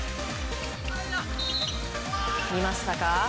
見ましたか？